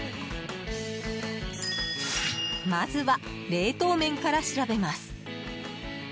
まずは、冷凍麺から調べます。